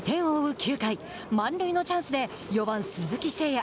９回満塁のチャンスで４番鈴木誠也。